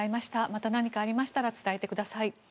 また何かありましたら伝えてください。